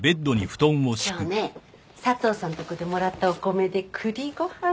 今日ね佐藤さんとこでもらったお米でくりご飯。